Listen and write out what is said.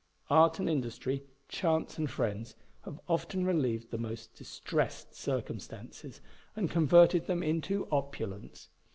Art and industry, chance and friends, have often relieved the most distrest circumstances, and converted them into opulence.